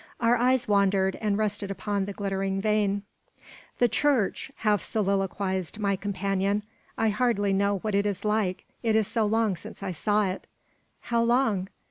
Our eyes wandered, and rested upon the glittering vane. "The church!" half soliloquised my companion; "I hardly know what it is like, it is so long since I saw it." "How long?"